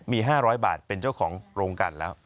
มี๕๐๐บาทเป็นเจ้าของโรงการแล้ว